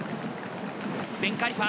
ベンカリファ。